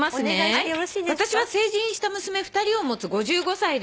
「私は成人した娘２人を持つ５５歳です」